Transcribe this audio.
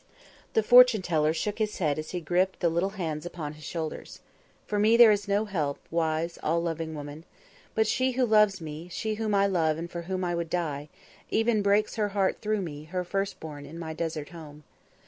The fortune teller shook his head as he gripped the little hands upon his shoulders. "For me there is no help, wise, all loving woman. But she who loves me, she whom I love and for whom I would die, even breaks her heart through me, her first born, in my desert home.